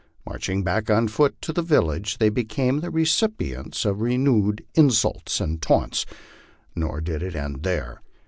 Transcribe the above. Marching back on foot to the village, they became the recipients of renewed insults and taunts. Nor did it end here.